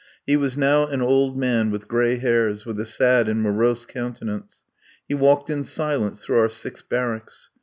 He was now an old man with gray hairs, with a sad and morose countenance. He walked in silence through our six barracks.